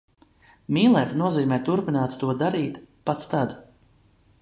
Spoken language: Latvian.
Mīlēt nozīmē turpināt to darīt - pat tad.